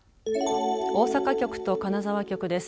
大阪局と金沢局です。